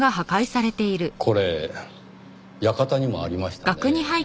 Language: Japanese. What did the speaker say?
これ館にもありましたねぇ。